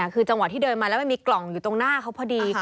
คือจังหวะที่เดินมาแล้วมันมีกล่องอยู่ตรงหน้าเขาพอดี